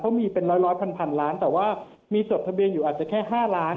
เขามีเป็นร้อยพันล้านแต่ว่ามีจดทะเบียนอยู่อาจจะแค่๕ล้าน